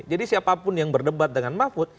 jadi siapapun yang berdebat dengan mafud